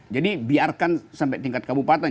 jadi biarkan sampai tingkat kabupaten